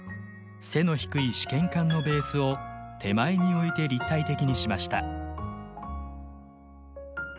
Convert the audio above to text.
背の低い試験管のベースを手前に置いて立体的にしました。